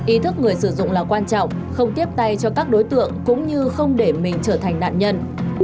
ý thức người sử dụng là quan trọng không tiếp tay cho các đối tượng cũng như không để mình trở thành nạn nhân